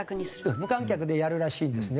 無観客でやるらしいんですね。